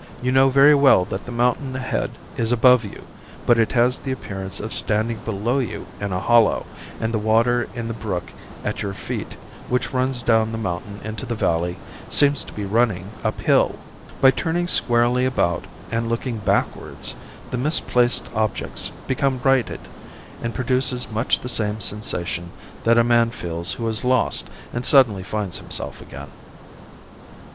You know very well that the mountain ahead is above you, but it has the appearance of standing below you in a hollow; and the water in the brook at your feet, which runs down the mountain into the valley, seems to be running uphill. By turning squarely about and looking backwards, the misplaced objects become righted, and produces much the same sensation that a man feels who is lost and suddenly finds himself again.